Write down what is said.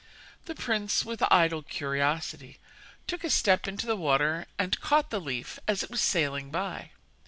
The prince, with idle curiosity, took a step into the water and caught the leaf as it was sailing by.